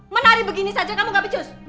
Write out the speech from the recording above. menari begini saja kamu gak pecus